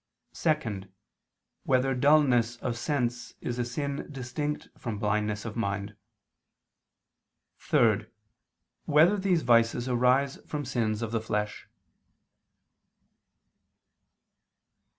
(2) Whether dulness of sense is a sin distinct from blindness of mind? (3) Whether these vices arise from sins of the flesh?